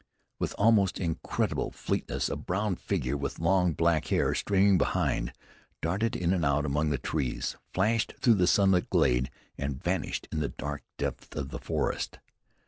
With almost incredible fleetness a brown figure with long black hair streaming behind, darted in and out among the trees, flashed through the sunlit glade, and vanished in the dark depths of the forest.